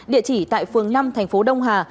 địa chỉ tại phương năm tp đông hà